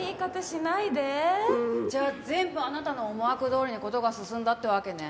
じゃあ全部あなたの思惑どおりに事が進んだってわけね。